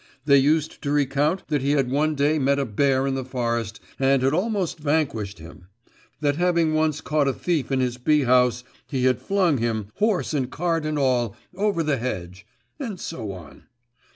They used to recount that he had one day met a bear in the forest and had almost vanquished him; that having once caught a thief in his beehouse, he had flung him, horse and cart and all, over the hedge, and so on.